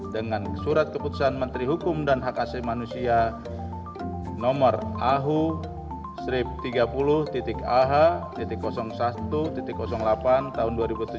dengan surat keputusan menteri hukum dan hak asli manusia nomor ahu tiga puluh ah satu delapan tahun dua ribu tujuh belas